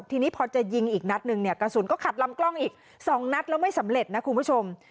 ทีนี้พอจะยิงอีกนัดหนึ่งเนี่ยกระสุนก็ขัดลำกล้องอีก๒นัดแล้วไม่สำเร็จนะคุณผู้ชม